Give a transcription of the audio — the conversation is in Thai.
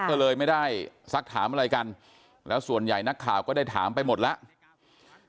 ก็เลยไม่ได้สักถามอะไรกันแล้วส่วนใหญ่นักข่าวก็ได้ถามไปหมดแล้ว